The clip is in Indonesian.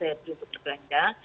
oleh pemerintah sedang bahan agama